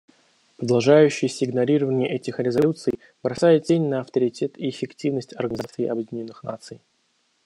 Продолжающееся игнорирование этих резолюций бросает тень на авторитет и эффективность Организации Объединенных Наций.